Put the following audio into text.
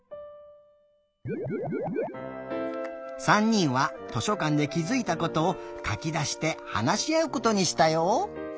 ３にんは図書かんできづいたことをかきだしてはなしあうことにしたよ。